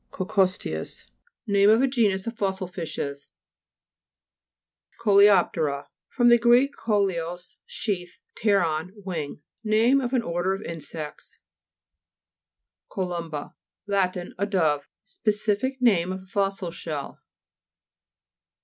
COCCO'STEUS Name of a genus of fossil fishes (p. 32). COLEO'PTERA fr. gr. koleos, sheath, pferon, wing. Name of an order of insects. COLU'MBA Lat. A dove. Specific name of a fossil shell.